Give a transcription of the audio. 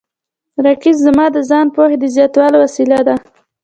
رقیب زما د ځان پوهې د زیاتولو وسیله ده